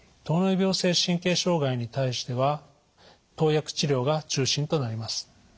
糖尿病性神経障害に対しては投薬治療が中心となります。